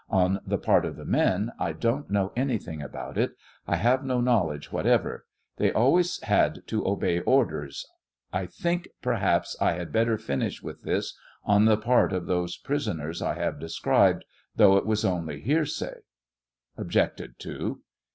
on the part of the men, I dont know anything about it; I have no knowledge whatever; they always had to obey orders ; I think, perhaps, I had better finish with this, on the part those prisoners I have described, though it was only hearsay. [Objected to.